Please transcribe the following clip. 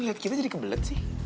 dia ngeliat kita jadi kebelet sih